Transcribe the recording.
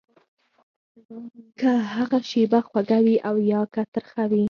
که هغه شېبه خوږه وي او يا که ترخه وي.